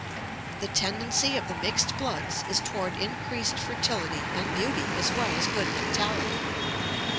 The tendency of the mixed bloods is toward increased fertility and beauty as well as good mentality.